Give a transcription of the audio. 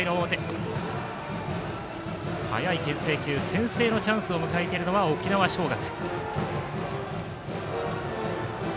先制のチャンスを迎えているのは沖縄尚学。